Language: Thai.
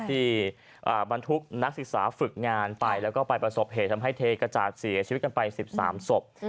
บรรทุกนักศึกษาฝึกงานไปแล้วก็ไปประสบเหตุทำให้เทกระจาดเสียชีวิตกันไป๑๓ศพ